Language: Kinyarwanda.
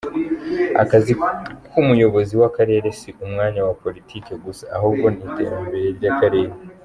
"Akazi k'umuyobozi w'akarere si umwanya wa politiki gusa, ahubwo iterambere ry'akarere.